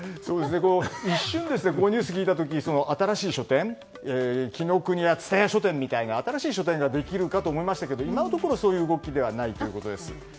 一瞬、このニュースを聞いて紀伊國屋蔦屋書店みたいな新しい書店ができるかなと思いましたが今のところ、そういう動きではないということです。